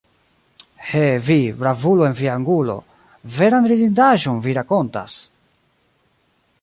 He, vi, bravulo en via angulo, veran ridindaĵon vi rakontas!